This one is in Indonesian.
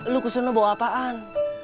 lu kesana bawa apaan